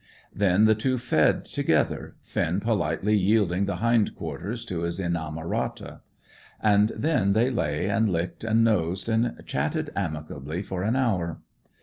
Then the two fed together, Finn politely yielding the hind quarters to his inamorata. And then they lay and licked and nosed, and chatted amicably for an hour.